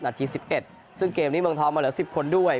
๑๑ซึ่งเกมนี้เมืองทองมาเหลือ๑๐คนด้วย